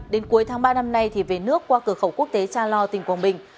đến cuối tháng ba năm nay thì về nước qua cửa khẩu quốc tế cha lo tỉnh quảng bình